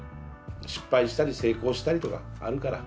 失敗したり成功したりとかあるから。